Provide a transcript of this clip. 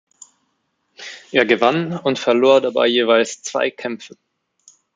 Er gewann und verlor dabei jeweils zwei Kämpfe.